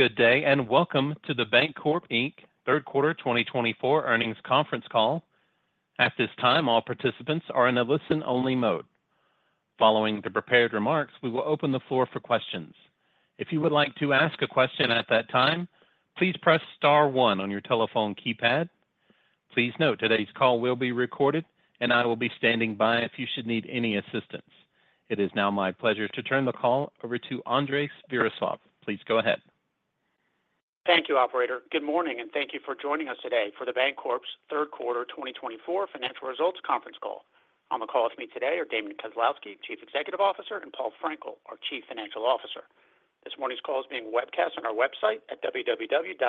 Good day, and welcome to The Bancorp, Inc. Q3 2024 earnings conference call. At this time, all participants are in a listen-only mode. Following the prepared remarks, we will open the floor for questions. If you would like to ask a question at that time, please press star one on your telephone keypad. Please note, today's call will be recorded, and I will be standing by if you should need any assistance. It is now my pleasure to turn the call over to Andres Viroslav. Please go ahead. Thank you, operator. Good morning, and thank you for joining us today for The Bancorp's Q3 2024 financial results conference call. On the call with me today are Damian Kozlowski, Chief Executive Officer, and Paul Frenkiel, our Chief Financial Officer. This morning's call is being webcast on our website at www.thebancorp.com.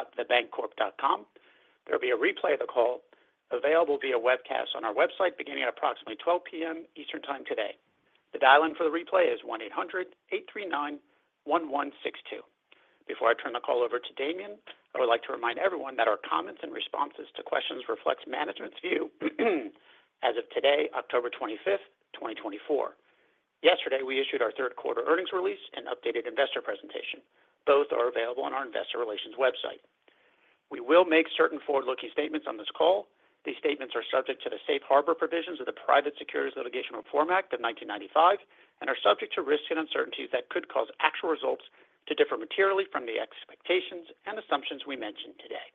There will be a replay of the call available via webcast on our website beginning at approximately 12:00 P.M. Eastern Time today. The dial-in for the replay is 1-800-839-1162. Before I turn the call over to Damian Kozlowski, I would like to remind everyone that our comments and responses to questions reflects management's view as of today, October 25th, 2024. Yesterday, we issued our Q3 earnings release and updated investor presentation. Both are available on our investor relations website. We will make certain forward-looking statements on this call. These statements are subject to the Safe Harbor Provisions of the Private Securities Litigation Reform Act of 1995 and are subject to risks and uncertainties that could cause actual results to differ materially from the expectations and assumptions we mention today.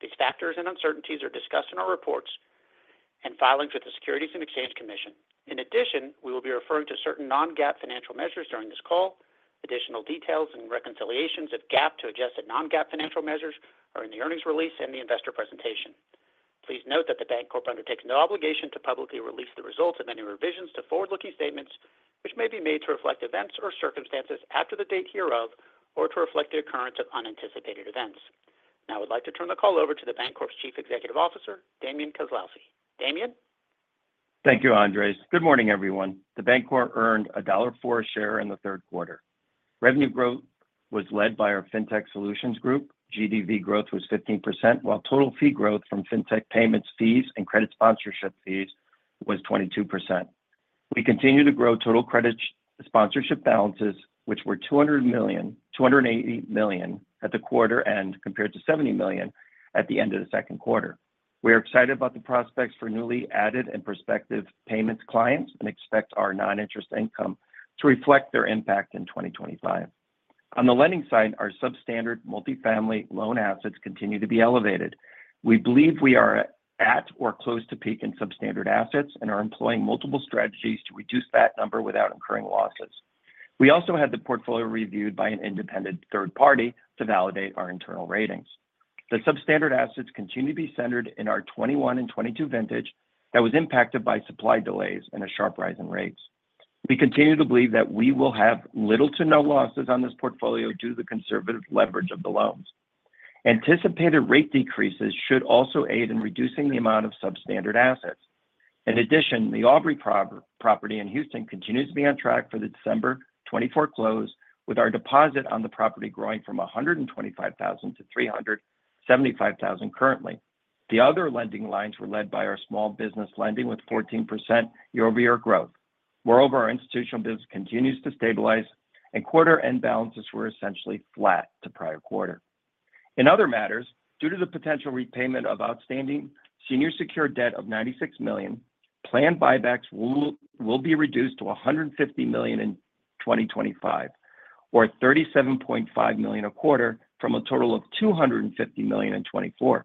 These factors and uncertainties are discussed in our reports and filings with the Securities and Exchange Commission. In addition, we will be referring to certain non-GAAP financial measures during this call. Additional details and reconciliations of GAAP to adjusted non-GAAP financial measures are in the earnings release and the investor presentation. Please note that the Bancorp undertakes no obligation to publicly release the results of any revisions to forward-looking statements, which may be made to reflect events or circumstances after the date hereof or to reflect the occurrence of unanticipated events. Now, I would like to turn the call over to the Bancorp's Chief Executive Officer, Damian Kozlowski. Damian Kozlowski? Thank you, Andres Viroslav. Good morning, everyone. The Bancorp earned $1.04 a share in the Q3. Revenue growth was led by our Fintech Solutions Group. GDV growth was 15%, while total fee growth from Fintech payments fees and credit sponsorship fees was 22%. We continue to grow total credit sponsorship balances, which were $280 million at the quarter end, compared to $70 million at the end of the Q2. We are excited about the prospects for newly added and prospective payments clients and expect our non-interest income to reflect their impact in 2025. On the lending side, our substandard multifamily loan assets continue to be elevated. We believe we are at or close to peak in substandard assets and are employing multiple strategies to reduce that number without incurring losses. We also had the portfolio reviewed by an independent third party to validate our internal ratings. The substandard assets continue to be centered in our 2021 and 2022 vintage that was impacted by supply delays and a sharp rise in rates. We continue to believe that we will have little to no losses on this portfolio due to the conservative leverage of the loans. Anticipated rate decreases should also aid in reducing the amount of substandard assets. In addition, The Aubrey property in Houston continues to be on track for the December 2024 close, with our deposit on the property growing from $125,000 to $375,000 currently. The other lending lines were led by our small business lending, with 14% year-over-year growth. Moreover, our institutional business continues to stabilize, and quarter-end balances were essentially flat to prior quarter. In other matters, due to the potential repayment of outstanding senior secured debt of $96 million, planned buybacks will be reduced to $150 million in 2025, or $37.5 million a quarter from a total of $250 million in 2024.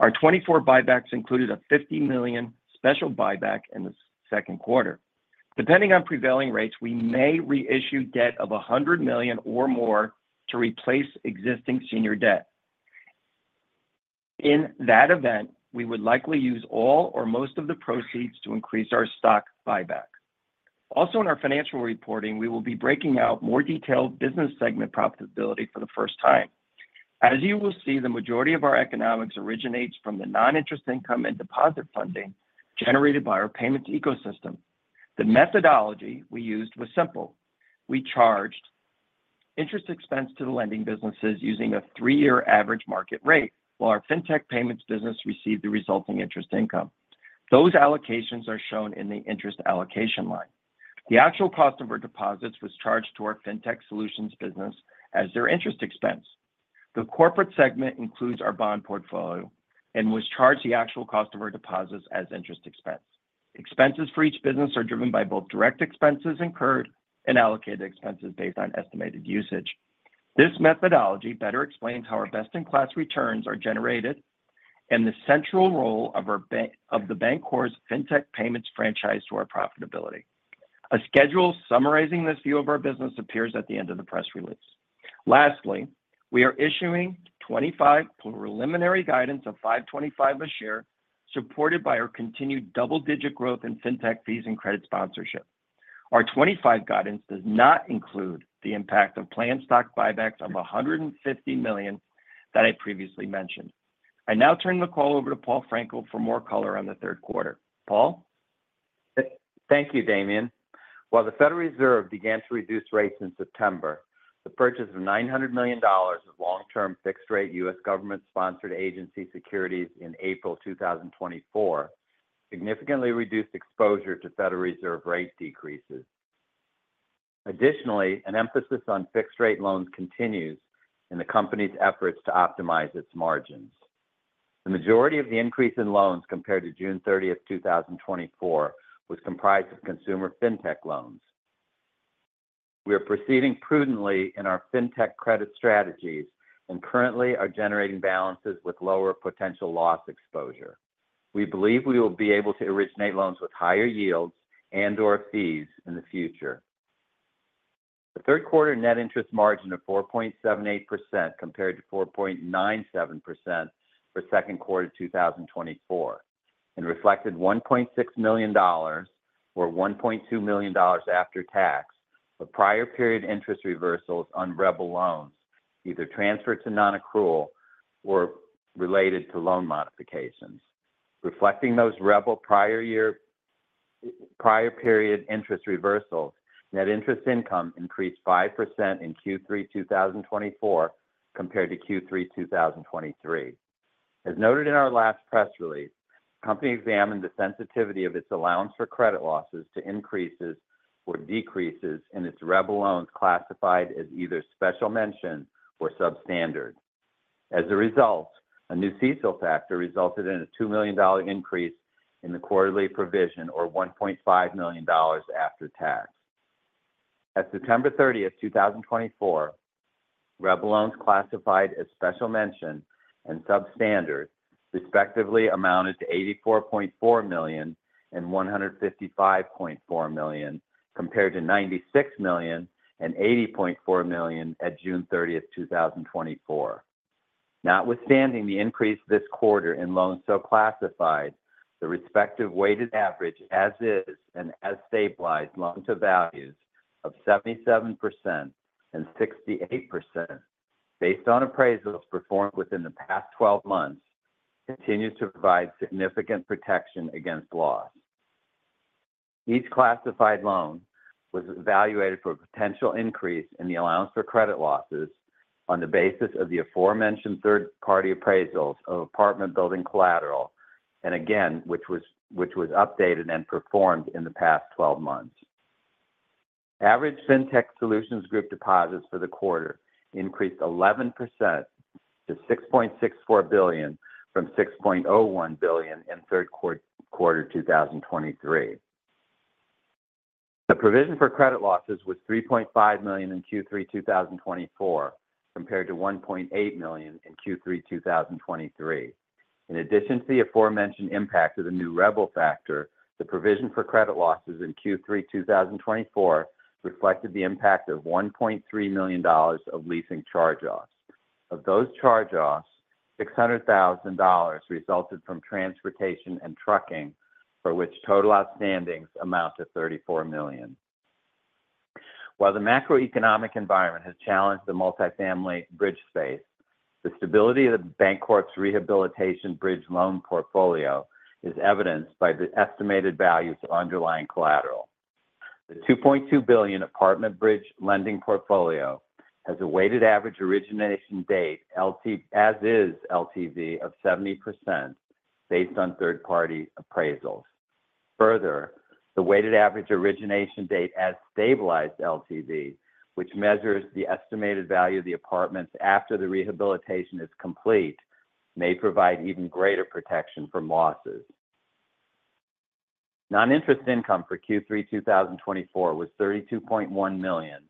Our 2024 buybacks included a $50 million special buyback in the Q2. Depending on prevailing rates, we may reissue debt of $100 million or more to replace existing senior debt. In that event, we would likely use all or most of the proceeds to increase our stock buyback. Also, in our financial reporting, we will be breaking out more detailed business segment profitability for the first time. As you will see, the majority of our economics originates from the non-interest income and deposit funding generated by our payments ecosystem. The methodology we used was simple. We charged interest expense to the lending businesses using a three-year average market rate, while our Fintech payments business received the resulting interest income. Those allocations are shown in the interest allocation line. The actual cost of our deposits was charged to our Fintech Solutions business as their interest expense. The corporate segment includes our bond portfolio and was charged the actual cost of our deposits as interest expense. Expenses for each business are driven by both direct expenses incurred and allocated expenses based on estimated usage. This methodology better explains how our best-in-class returns are generated and the central role of The Bancorp's Fintech payments franchise to our profitability. A schedule summarizing this view of our business appears at the end of the press release. Lastly, we are issuing 2025 preliminary guidance of $5.25 a share, supported by our continued double-digit growth in Fintech fees and credit sponsorship. Our 2025 guidance does not include the impact of planned stock buybacks of $150 million that I previously mentioned. I now turn the call over to Paul Frenkiel for more color on the Q3. Paul Frenkiel? Thank you, Damian Kozlowski. While the Federal Reserve began to reduce rates in September, the purchase of $900 million of long-term fixed-rate U.S. government-sponsored agency securities in April 2024 significantly reduced exposure to Federal Reserve rate decreases. Additionally, an emphasis on fixed-rate loans continues in the company's efforts to optimize its margins. The majority of the increase in loans compared to June 30th, 2024, was comprised of consumer Fintech loans. We are proceeding prudently in our Fintech credit strategies and currently are generating balances with lower potential loss exposure. We believe we will be able to originate loans with higher yields and or fees in the future. The Q3 net interest margin of 4.78% compared to 4.97% for Q2 2024, and reflected $1.6 million or $1.2 million after tax, with prior-period interest reversals on REBL loans, either transferred to non-accrual or related to loan modifications. Reflecting those REBL prior-period interest reversals, net interest income increased 5% in Q3 2024 compared to Q3 2023. As noted in our last press release, the company examined the sensitivity of its allowance for credit losses to increases or decreases in its REBL loans classified as either special mention or substandard. As a result, a new CECL factor resulted in a $2 million increase in the quarterly provision, or $1.5 million after tax. At September 30th, 2024, REBL loans classified as special mention and substandard, respectively, amounted to $84.4 million and $155.4 million, compared to $96 million and $80.4 million at June 30th,2024. Notwithstanding the increase this quarter in loans so classified, the respective weighted average, as is, and as stabilized loan-to-value of 77% and 68%, based on appraisals performed within the past 12 months, continues to provide significant protection against loss. Each classified loan was evaluated for a potential increase in the allowance for credit losses on the basis of the aforementioned third-party appraisals of apartment building collateral, and again, which was updated and performed in the past 12 months. Average Fintech Solutions Group deposits for the quarter increased 11% to $6.64 billion from $6.01 billion in Q3 2023. The provision for credit losses was $3.5 million in Q3 2024, compared to $1.8 million in Q3 2023. In addition to the aforementioned impact of the new REBL factor, the provision for credit losses in Q3 2024 reflected the impact of $1.3 million of leasing charge-offs. Of those charge-offs, $600,000 resulted from transportation and trucking, for which total out-standings amount to $34 million. While the macroeconomic environment has challenged the multifamily bridge space, the stability of The Bancorp's rehabilitation bridge loan portfolio is evidenced by the estimated values of underlying collateral. The $2.2 billion apartment bridge lending portfolio has a weighted average origination date as-is LTV of 70% based on third-party appraisals. Further, the weighted average origination date as-stabilized LTV, which measures the estimated value of the apartments after the rehabilitation is complete, may provide even greater protection from losses. Non-interest income for Q3 2024 was $32.1 million,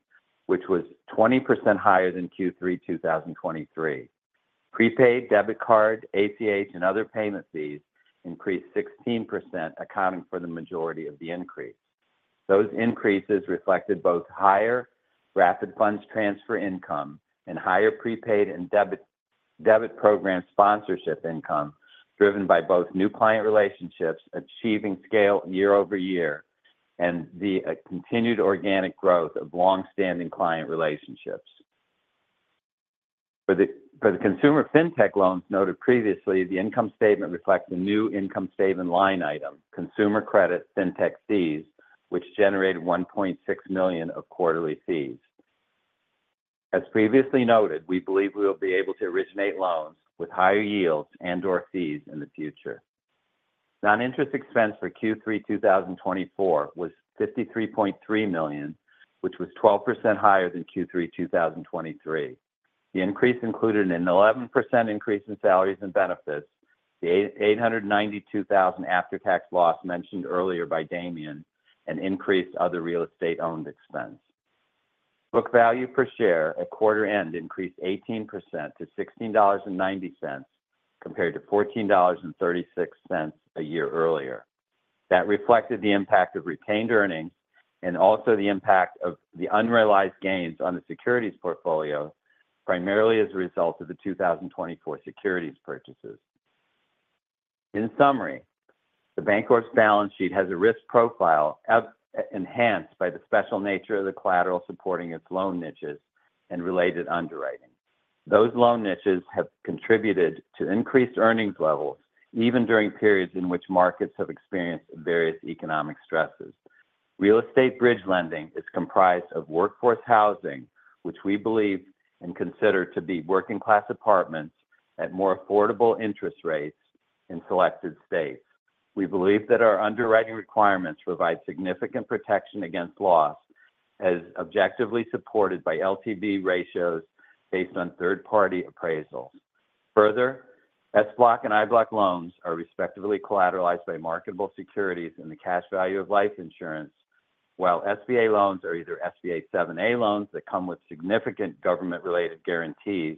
which was 20% higher than Q3 2023. Prepaid debit card, ACH, and other payment fees increased 16%, accounting for the majority of the increase. Those increases reflected both higher Rapid Funds Transfer income and higher prepaid and debit program sponsorship income, driven by both new client relationships achieving scale year over year and the continued organic growth of long-standing client relationships. For the consumer Fintech loans noted previously, the income statement reflects the new income statement line item, consumer credit Fintech fees, which generated $1.6 million of quarterly fees. As previously noted, we believe we will be able to originate loans with higher yields and or fees in the future. Non-interest expense for Q3 2024 was $53.3 million, which was 12% higher than Q3 2023. The increase included an 11% increase in salaries and benefits, the $892,000 after-tax loss mentioned earlier by Damian Kozlowski, and increased other real estate-owned expense. Book value per share at quarter-end increased 18% to $16.90, compared to $14.36 a year earlier. That reflected the impact of retained earnings and also the impact of the unrealized gains on the securities portfolio, primarily as a result of the 2024 securities purchases. In summary, The Bancorp's balance sheet has a risk profile of, enhanced by the special nature of the collateral supporting its loan niches and related underwriting. Those loan niches have contributed to increased earnings levels, even during periods in which markets have experienced various economic stresses. Real estate bridge lending is comprised of workforce housing, which we believe and consider to be working-class apartments at more affordable interest rates in selected states. We believe that our underwriting requirements provide significant protection against loss, as objectively supported by LTV ratios based on third-party appraisals. Further, SBLOC and IBLOC loans are respectively collateralized by marketable securities and the cash value of life insurance, while SBA loans are either SBA 7(a) loans that come with significant government-related guarantees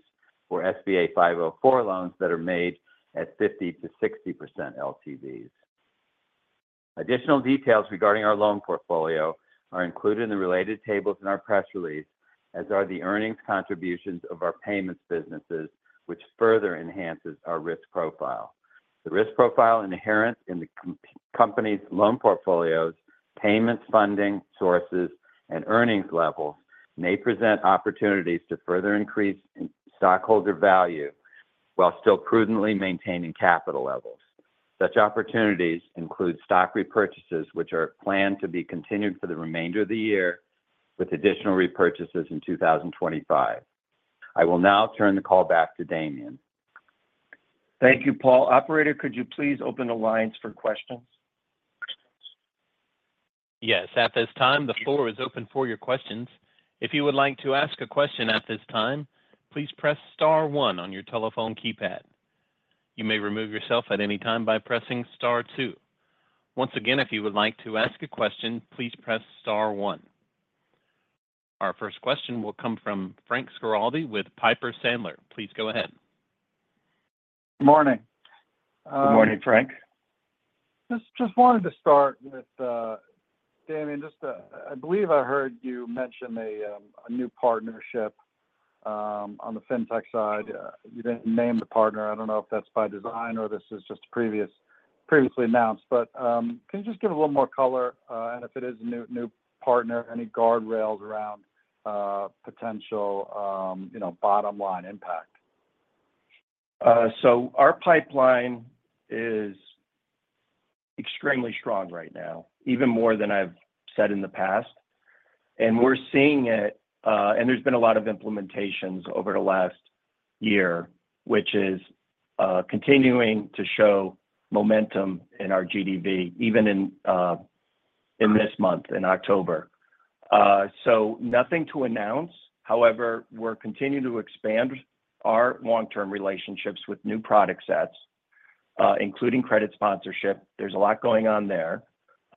or SBA 504 loans that are made at 50%-60% LTVs. Additional details regarding our loan portfolio are included in the related tables in our press release, as are the earnings contributions of our payments businesses, which further enhances our risk profile. The risk profile inherent in the company's loan portfolios, payments, funding sources, and earnings levels may present opportunities to further increase stockholder value while still prudently maintaining capital levels. Such opportunities include stock repurchases, which are planned to be continued for the remainder of the year, with additional repurchases in 2025. I will now turn the call back to Damian Kozlowski. Thank you, Paul Frenkiel. Operator, could you please open the lines for questions? Yes. At this time, the floor is open for your questions. If you would like to ask a question at this time, please press star one on your telephone keypad. You may remove yourself at any time by pressing star two. Once again, if you would like to ask a question, please press star one. Our first question will come from Frank Schiraldi with Piper Sandler. Please go ahead. Morning. Uh- Good morning, Frank Schiraldi. Just wanted to start with, Damian Kozlowski, I believe I heard you mention a new partnership on the Fintech side. You didn't name the partner. I don't know if that's by design or this is just previously announced, but can you just give a little more color, and if it is a new partner, any guardrails around potential, you know, bottom line impact? So our pipeline is extremely strong right now, even more than I've said in the past. And we're seeing it, and there's been a lot of implementations over the last year, which is continuing to show momentum in our GDV, even in this month, in October. So nothing to announce. However, we're continuing to expand our long-term relationships with new product sets, including credit sponsorship. There's a lot going on there.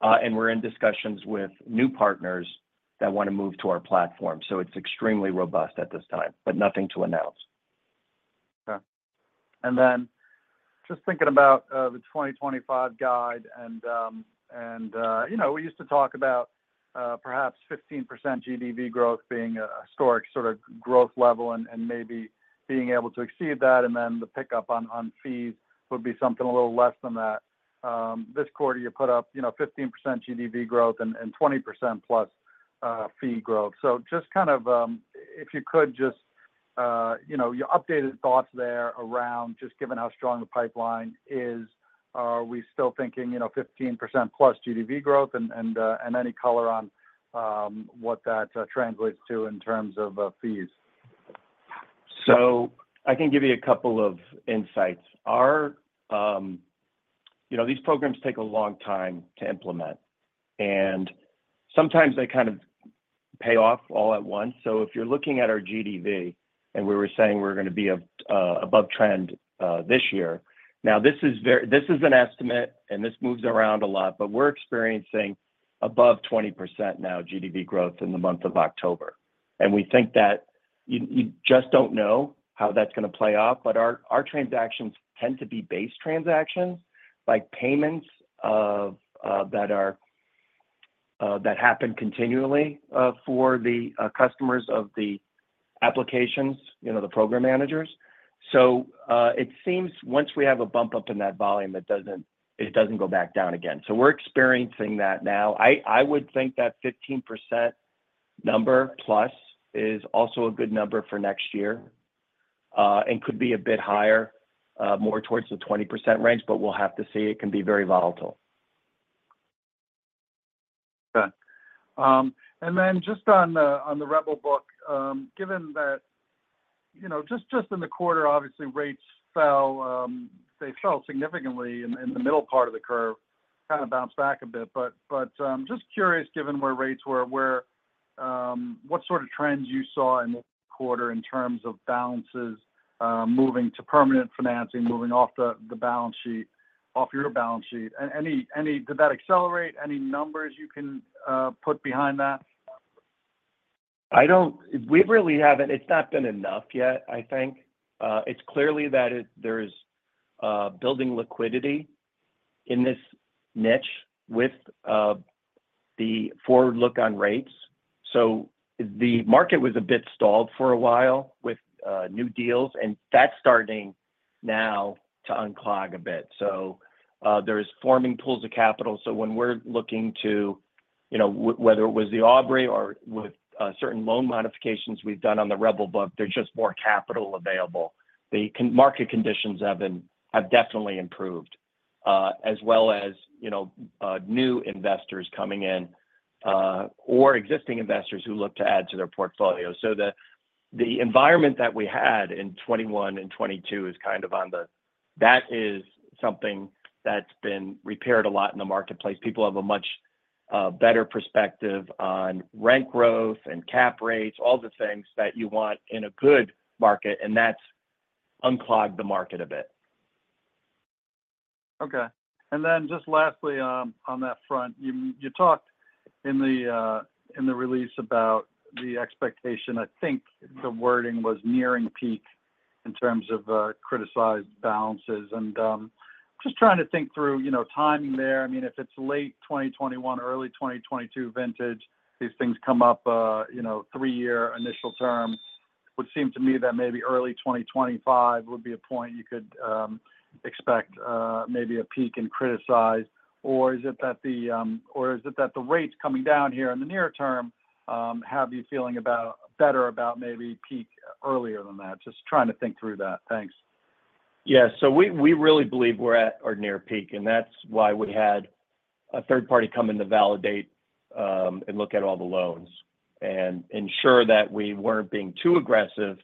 And we're in discussions with new partners that want to move to our platform. So it's extremely robust at this time, but nothing to announce. Okay. And then just thinking about the 2025 guide, and you know, we used to talk about perhaps 15% GDV growth being a historic sort of growth level and maybe being able to exceed that, and then the pickup on fees would be something a little less than that. This quarter, you put up, you know, 15% GDV growth and 20%+ fee growth. So just kind of if you could just you know, your updated thoughts there around just given how strong the pipeline is, are we still thinking, you know, 15%+ GDV growth? And any color on what that translates to in terms of fees? So I can give you a couple of insights. Our you know, these programs take a long time to implement, and sometimes they kind of pay off all at once, so if you're looking at our GDV, and we were saying we're going to be above trend this year. Now, this is an estimate, and this moves around a lot, but we're experiencing above 20% now, GDV growth in the month of October, and we think that you just don't know how that's going to play out, but our transactions tend to be base transactions, like payments that happen continually for the customers of the applications, you know, the program managers, so it seems once we have a bump up in that volume, it doesn't go back down again. We're experiencing that now. I would think that 15% number plus is also a good number for next year, and could be a bit higher, more towards the 20% range, but we'll have to see. It can be very volatile. Okay. And then just on the REBL book, given that, you know, just in the quarter, obviously, rates fell, they fell significantly in the middle part of the curve, kind of bounced back a bit, but, just curious, given where rates were, where, what sort of trends you saw in this quarter in terms of balances, moving to permanent financing, moving off the balance sheet, off your balance sheet. Any, did that accelerate? Any numbers you can put behind that? We really haven't. It's not been enough yet, I think. It's clearly that there's building liquidity in this niche with the forward look on rates. So the market was a bit stalled for a while with new deals, and that's starting now to unclog a bit. So there is forming pools of capital. So when we're looking to, you know, whether it was The Aubrey or with certain loan modifications we've done on the REBL book, there's just more capital available. Market conditions have been have definitely improved as well as, you know, new investors coming in or existing investors who look to add to their portfolio. So the environment that we had in 2021 and 2022 is kind of on the that is something that's been repaired a lot in the marketplace. People have a much better perspective on rent growth and cap rates, all the things that you want in a good market, and that's unclogged the market a bit. Okay. And then just lastly, on that front, you talked in the release about the expectation. I think the wording was nearing peak in terms of criticized balances. And just trying to think through, you know, timing there. I mean, if it's late 2021, early 2022 vintage, these things come up, you know, three-year initial term, it would seem to me that maybe early 2025 would be a point you could expect maybe a peak in criticized. Or is it that the rates coming down here in the near term have you feeling better about maybe peak earlier than that? Just trying to think through that. Thanks. Yeah. So we really believe we're at or near peak, and that's why we had a third party come in to validate and look at all the loans, and ensure that we weren't being too aggressive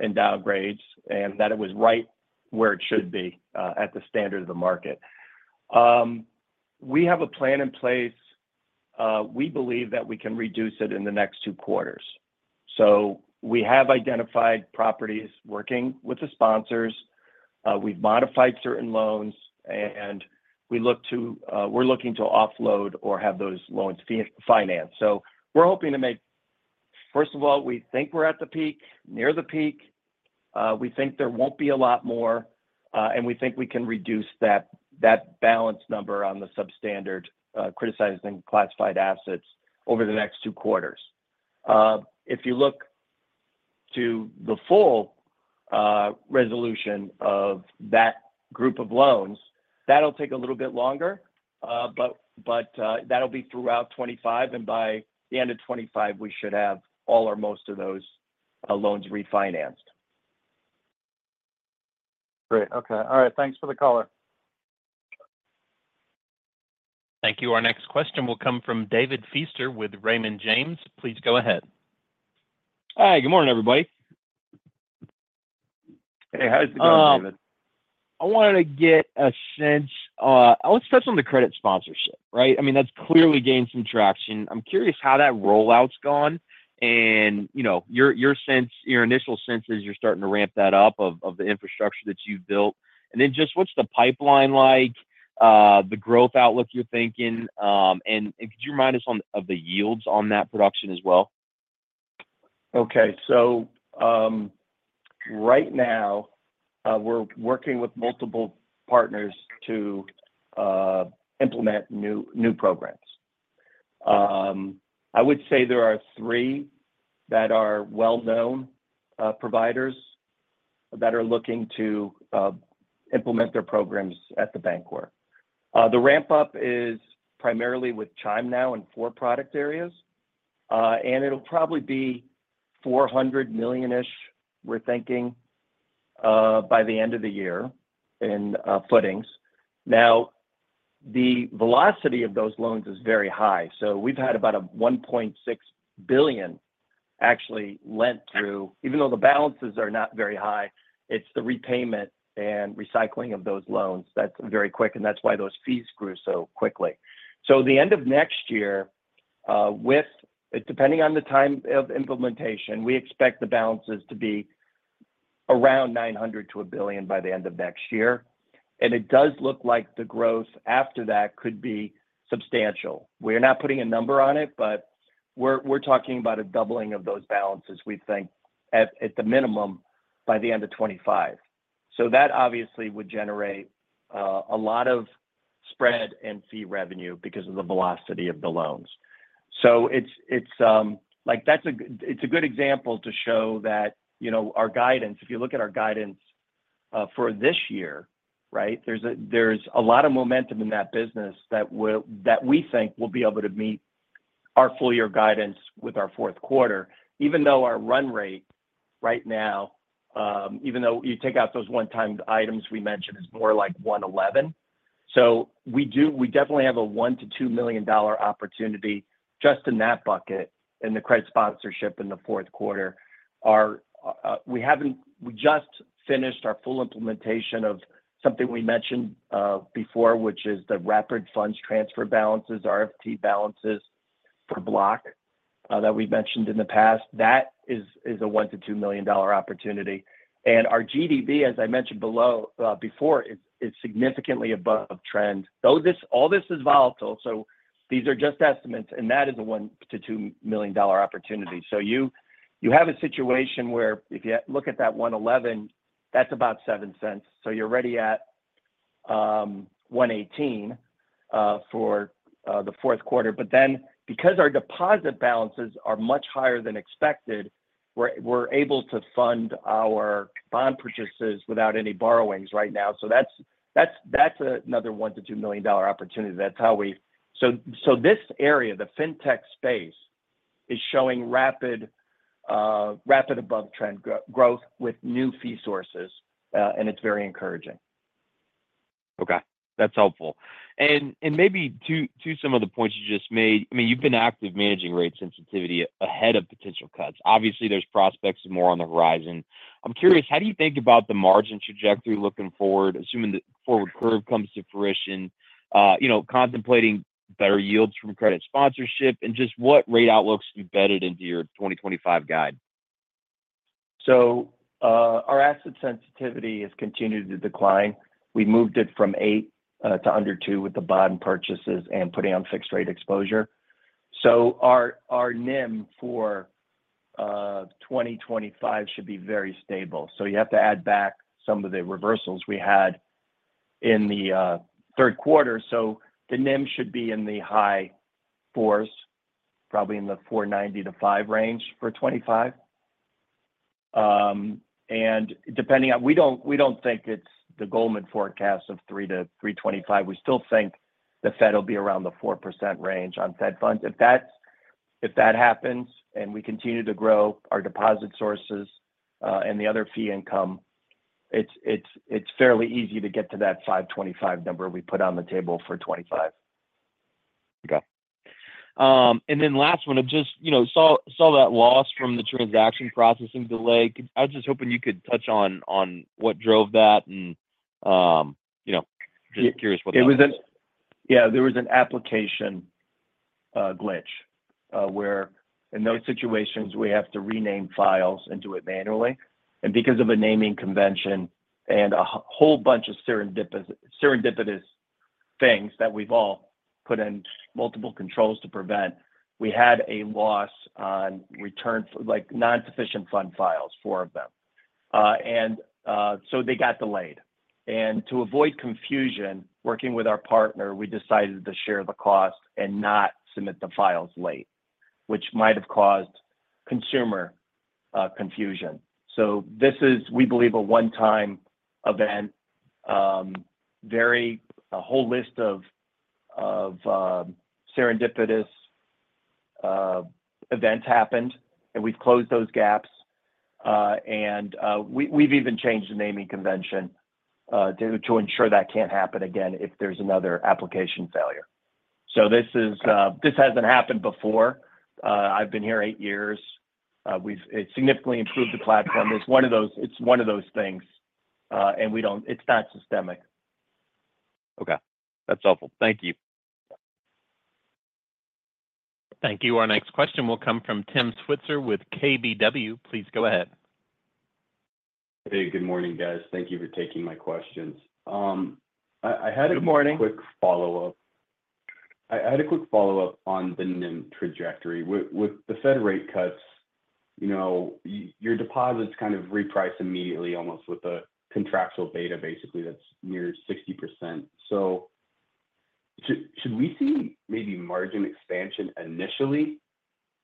in downgrades, and that it was right where it should be at the standard of the market. We have a plan in place. We believe that we can reduce it in the next two quarters. So we have identified properties working with the sponsors. We've modified certain loans, and we're looking to offload or have those loans financed. So we're hoping to make. First of all, we think we're at the peak, near the peak. We think there won't be a lot more, and we think we can reduce that balance number on the substandard, criticized, classified assets over the next two quarters. If you look to the full resolution of that group of loans, that'll take a little bit longer, but that'll be throughout 2025, and by the end of 2025, we should have all or most of those loans refinanced. Great. Okay. All right, thanks for the color. Thank you. Our next question will come from David Feaster with Raymond James. Please go ahead. Hi, good morning, everybody. Hey, how's it going, David Feaster? I wanted to get a sense. Let's touch on the credit sponsorship, right? I mean, that's clearly gained some traction. I'm curious how that rollout's gone, and, you know, your, your sense- your initial sense is you're starting to ramp that up, of, of the infrastructure that you've built. And then just what's the pipeline like, the growth outlook you're thinking, and, and could you remind us on- of the yields on that production as well? Okay, so right now, we're working with multiple partners to implement new programs. I would say there are three that are well-known providers that are looking to implement their programs at the Bancorp. The ramp-up is primarily with Chime now in four product areas and it'll probably be $400 million-ish, we're thinking, by the end of the year in footings. Now, the velocity of those loans is very high. So we've had about a $1.6 billion actually lent through... Even though the balances are not very high, it's the repayment and recycling of those loans that's very quick, and that's why those fees grew so quickly. So the end of next year, depending on the time of implementation, we expect the balances to be around $900 million-$1 billion by the end of next year. And it does look like the growth after that could be substantial. We're not putting a number on it, but we're talking about a doubling of those balances, we think, at the minimum, by the end of 2025. So that obviously would generate a lot of spread and fee revenue because of the velocity of the loans. So it's like that's a good example to show that, you know, our guidance for this year, right? There's a lot of momentum in that business that we think will be able to meet our full year guidance with our Q4, even though our run rate right now, even though you take out those one-time items we mentioned, is more like 111. So we definitely have a $1-$2 million opportunity just in that bucket, in the credit sponsorship in the Q4. We just finished our full implementation of something we mentioned before, which is the Rapid Funds Transfer balances, RFT balances for Block, that we've mentioned in the past. That is a $1-$2 million opportunity. And our GDV, as I mentioned before, is significantly above trend. So this all this is volatile, so these are just estimates, and that is a $1-$2 million opportunity. So you have a situation where if you look at that 111 that's about $0.07. So you're already at $1.18 for the Q4. But then, because our deposit balances are much higher than expected, we're able to fund our bond purchases without any borrowings right now. So that's another $1-$2 million opportunity. That's how we... So this area, the Fintech space is showing rapid above trend growth with new fee sources, and it's very encouraging. Okay. That's helpful. And maybe to some of the points you just made, I mean, you've been active managing rate sensitivity ahead of potential cuts. Obviously, there's prospects more on the horizon. I'm curious, how do you think about the margin trajectory looking forward, assuming the forward curve comes to fruition? You know, contemplating better yields from credit sponsorship, and just what rate outlooks you've embedded into your 2025 guide. Our asset sensitivity has continued to decline. We moved it from eight to under two with the bond purchases and putting on fixed rate exposure. Our NIM for 2025 should be very stable. You have to add back some of the reversals we had in the Q3. The NIM should be in the high fours, probably in the 4.90%-5% range for 2025. And depending on, we don't think it's the Goldman forecast of 3%-3.25%. We still think the Fed will be around the 4% range on Fed Funds. If that happens, and we continue to grow our deposit sources and the other fee income, it's fairly easy to get to that 5.25% number we put on the table for 2025. Okay. And then last one, I just, you know, saw that loss from the transaction processing delay. I was just hoping you could touch on what drove that and, you know, just curious what that was. It was, yeah, there was an application glitch where in those situations, we have to rename files and do it manually. Because of a naming convention and a whole bunch of serendipitous things that we've all put in multiple controls to prevent, we had a loss on return, like, non-sufficient fund files, four of them. So they got delayed. To avoid confusion, working with our partner, we decided to share the cost and not submit the files late, which might have caused consumer confusion. So this is, we believe, a one-time event. A whole list of serendipitous events happened, and we've closed those gaps. We've even changed the naming convention to ensure that can't happen again if there's another application failure. So this is... This hasn't happened before. I've been here eight years. We've significantly improved the platform. It's one of those things, and we don't. It's not systemic. Okay. That's helpful. Thank you. Thank you. Our next question will come from Tim Switzer with KBW. Please go ahead. Hey, good morning, guys. Thank you for taking my questions. I had a- Good morning... quick follow-up. I had a quick follow-up on the NIM trajectory. With the Fed rate cuts, you know, your deposits kind of reprice immediately, almost with a contractual beta, basically, that's near 60%. So should we see maybe margin expansion initially,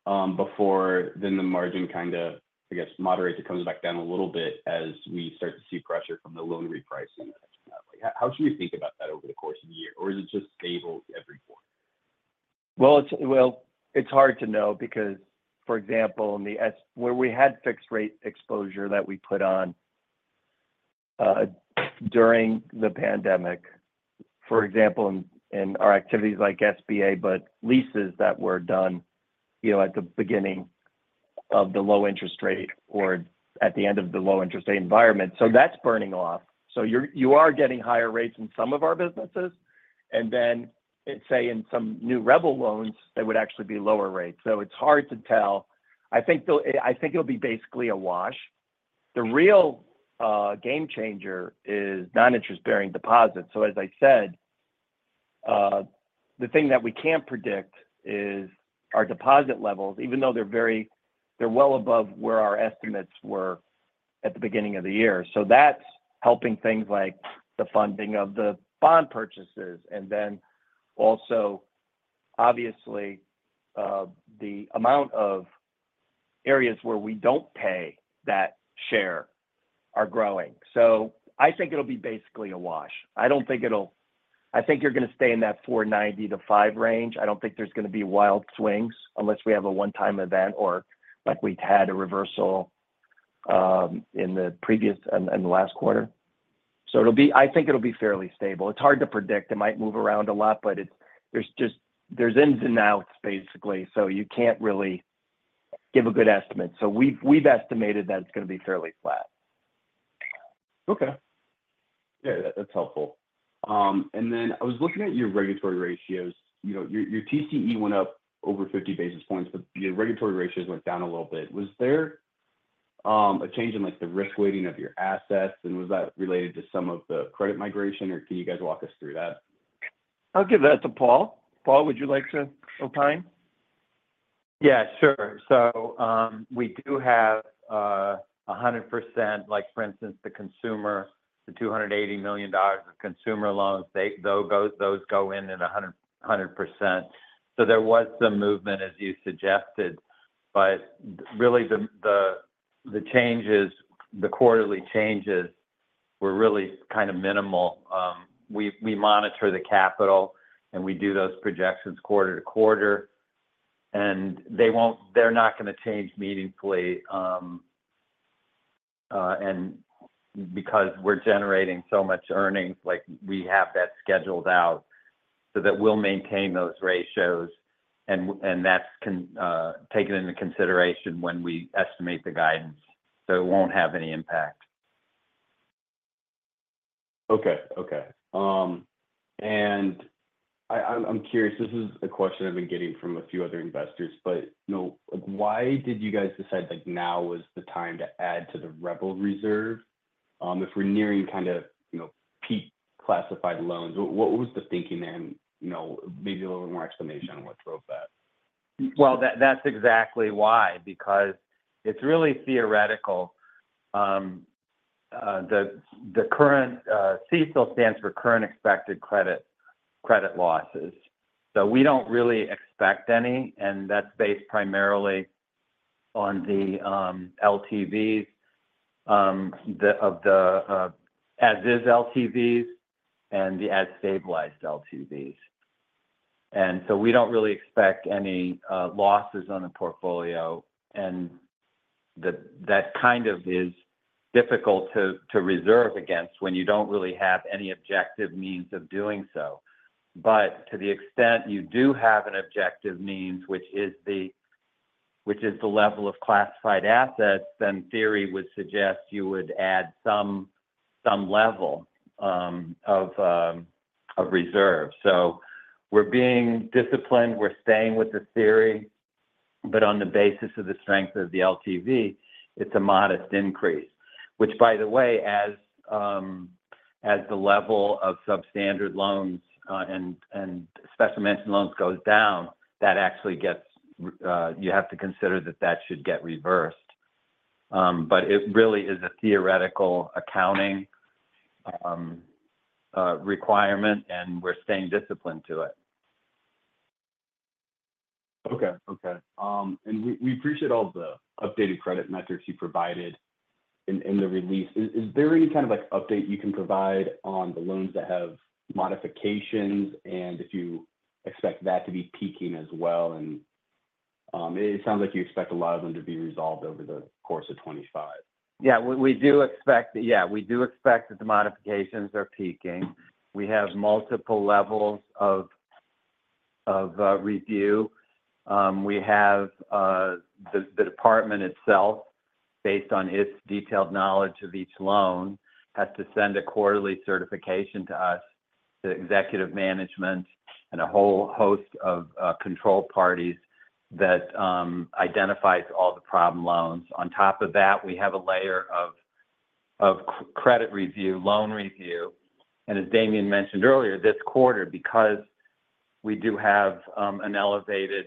before then the margin kind of, I guess, moderates, it comes back down a little bit as we start to see pressure from the loan repricing? How should we think about that over the course of the year? Or is it just stable every quarter? It's hard to know because, for example, in the SBA where we had fixed rate exposure that we put on during the pandemic, for example, in our activities like SBA, but leases that were done, you know, at the beginning of the low interest rate or at the end of the low interest rate environment. So that's burning off. So you are getting higher rates in some of our businesses. And then, let's say in some new REBL loans, they would actually be lower rates. So it's hard to tell. I think it'll be basically a wash. The real game changer is non-interest-bearing deposits. So as I said, the thing that we can't predict is our deposit levels, even though they're well above where our estimates were at the beginning of the year. That's helping things like the funding of the bond purchases. And then also, obviously, the amount of areas where we don't pay that share are growing. So I think it'll be basically a wash. I don't think it'll. I think you're going to stay in that 4.90%-5% range. I don't think there's going to be wild swings unless we have a one-time event or like we'd had a reversal in the previous and the last quarter. So it'll be. I think it'll be fairly stable. It's hard to predict. It might move around a lot, but it's. There's just ins and outs, basically, so you can't really give a good estimate. So we've estimated that it's going to be fairly flat. Okay. Yeah, that's helpful. And then I was looking at your regulatory ratios. You know, your TCE went up over 50 basis points, but your regulatory ratios went down a little bit. Was there a change in, like, the risk weighting of your assets, and was that related to some of the credit migration, or can you guys walk us through that? I'll give that to Paul Frenkiel. Paul Frenkiel, would you like to opine? Yeah, sure. So, we do have 100%, like, for instance, the consumer, the $280 million of consumer loans, those go in at 100%. So there was some movement, as you suggested, but really, the quarterly changes we're really kind of minimal. We monitor the capital, and we do those projections quarter-to-quarter. And they're not gonna change meaningfully, and because we're generating so much earnings, like, we have that scheduled out so that we'll maintain those ratios. And that's considered taken into consideration when we estimate the guidance, so it won't have any impact. Okay. Okay. I'm curious. This is a question I've been getting from a few other investors. You know, why did you guys decide, like, now was the time to add to the REBL reserve, if we're nearing kind of, you know, peak classified loans? What was the thinking there, and you know, maybe a little bit more explanation on what drove that? That's exactly why, because it's really theoretical. The CECL stands for current expected credit losses, so we don't really expect any, and that's based primarily on the LTVs, the as-is LTVs and the as-stabilized LTVs, and so we don't really expect any losses on the portfolio, and that kind of is difficult to reserve against when you don't really have any objective means of doing so, but to the extent you do have an objective means, which is the level of classified assets, then theory would suggest you would add some level of reserve, so we're being disciplined, we're staying with the theory, but on the basis of the strength of the LTV, it's a modest increase. Which, by the way, as the level of substandard loans and special mention loans goes down, that actually gets... You have to consider that, that should get reversed. But it really is a theoretical accounting requirement, and we're staying disciplined to it. Okay. And we appreciate all the updated credit metrics you provided in the release. Is there any kind of, like, update you can provide on the loans that have modifications, and if you expect that to be peaking as well? And it sounds like you expect a lot of them to be resolved over the course of 2025. Yeah, we do expect that the modifications are peaking. We have multiple levels of review. We have the department itself, based on its detailed knowledge of each loan, has to send a quarterly certification to us, to executive management, and a whole host of control parties that identifies all the problem loans. On top of that, we have a layer of credit review, loan review. As Damian Kozlowski mentioned earlier, this quarter, because we do have an elevated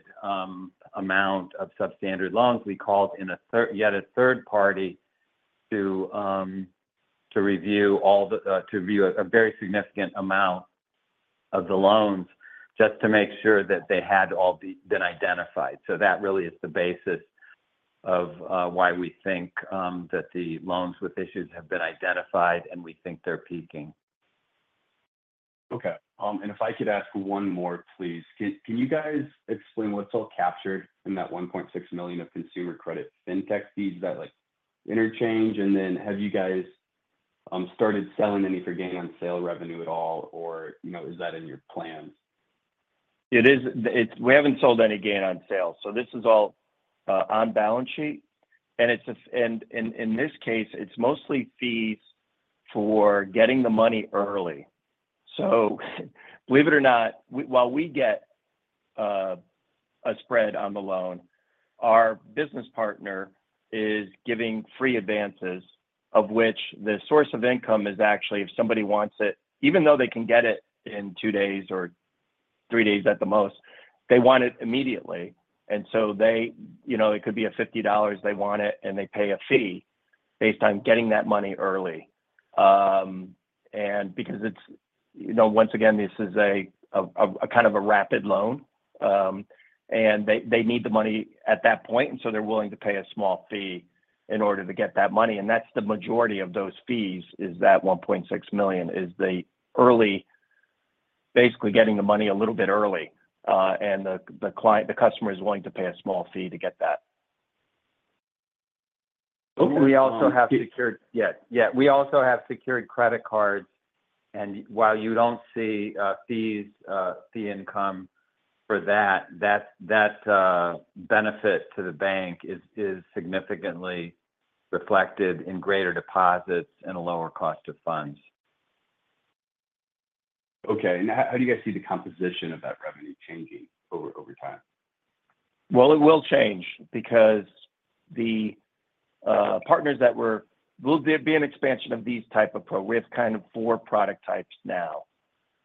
amount of substandard loans, we called in a third party to review a very significant amount of the loans, just to make sure that they had all been identified. So that really is the basis of why we think that the loans with issues have been identified and we think they're peaking. Okay. And if I could ask one more, please. Can you guys explain what's all captured in that $1.6 million of consumer credit Fintech fees that, like, interchange? And then, have you guys started selling any for gain on sale revenue at all, or, you know, is that in your plan? We haven't sold any gain on sales, so this is all on balance sheet, and in this case, it's mostly fees for getting the money early. So believe it or not, while we get a spread on the loan, our business partner is giving free advances, of which the source of income is actually, if somebody wants it, even though they can get it in two days or three days at the most, they want it immediately, and so you know, it could be $50, they want it, and they pay a fee based on getting that money early. Because it's you know, once again, this is a kind of a rapid loan, and they need the money at that point, and so they're willing to pay a small fee in order to get that money. And that's the majority of those fees is that $1.6 million, is the early basically getting the money a little bit early. And the customer is willing to pay a small fee to get that. Okay, um- We also have secured credit cards, and while you don't see fees, fee income for that, that benefit to the bank is significantly reflected in greater deposits and a lower cost of funds. Okay. How do you guys see the composition of that revenue changing over time? It will change because the partners that we're. Will there be an expansion of these type of products? We have kind of four product types now,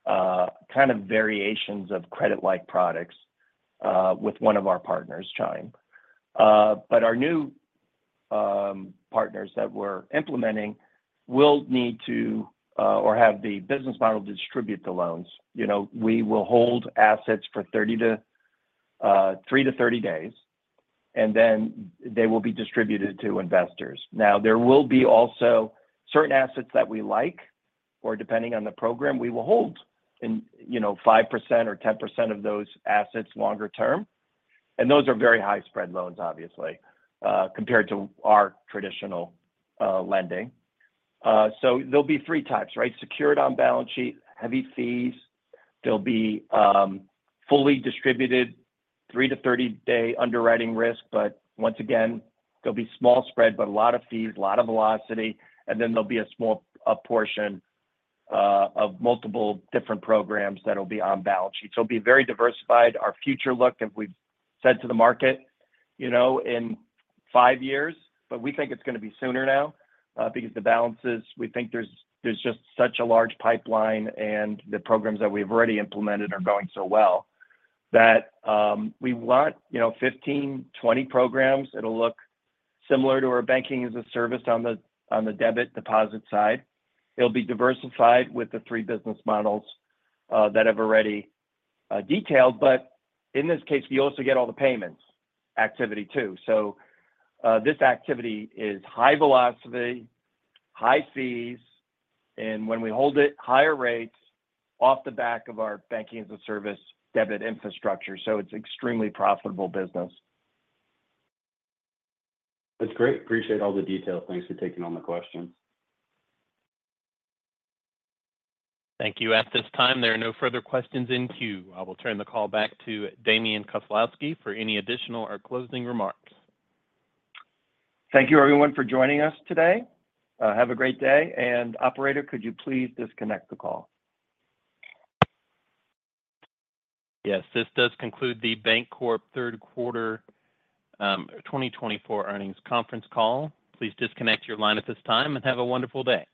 kind of variations of credit-like products with one of our partners, Chime, but our new partners that we're implementing will need to or have the business model distribute the loans. You know, we will hold assets for three to 30 days, and then they will be distributed to investors. Now, there will be also certain assets that we like, or depending on the program, we will hold in, you know, 5% or 10% of those assets longer-term, and those are very high spread loans, obviously, compared to our traditional lending, so there'll be three types, right? Secured on balance sheet, heavy fees. There'll be fully distributed three to thirty-day underwriting risk, but once again, they'll be small spread, but a lot of fees, a lot of velocity. And then there'll be a small portion of multiple different programs that will be on balance sheet. So it'll be very diversified. Our future look, if we've said to the market, you know, in five years, but we think it's gonna be sooner now, because the balances, we think there's just such a large pipeline, and the programs that we've already implemented are going so well, that we want, you know, fifteen, twenty programs. It'll look similar to our banking-as-a-service on the debit deposit side. It'll be diversified with the three business models that I've already detailed. But in this case, you also get all the payments activity, too. This activity is high velocity, high fees, and when we hold it, higher rates off the back of our banking-as-a-service debit infrastructure. It's extremely profitable business. That's great. Appreciate all the details. Thanks for taking all my questions. Thank you. At this time, there are no further questions in queue. I will turn the call back to Damian Kozlowski for any additional or closing remarks. Thank you, everyone, for joining us today. Have a great day, and operator, could you please disconnect the call? Yes, this does conclude The Bancorp Q3, 2024 earnings conference call. Please disconnect your line at this time, and have a wonderful day.